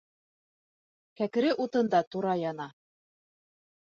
Кәкере утын да тура яна.